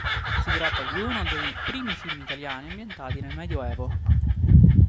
Si tratta di uno dei primi film italiani ambientati nel medioevo.